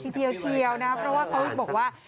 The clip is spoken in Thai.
ทีเดียวเชียวนะเพราะว่าเขาบอกว่า